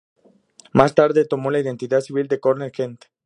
Más tarde, tomó la identidad civil de Conner Kent.